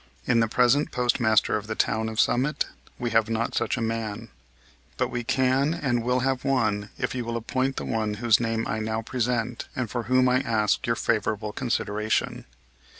In the present postmaster of the town of Summit we have not such a man, but we can and will have one if you will appoint the one whose name I now present and for whom I ask your favorable consideration.